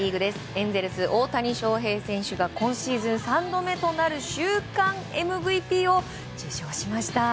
エンゼルス、大谷翔平選手が今シーズン３度目となる週間ＭＶＰを受賞しました。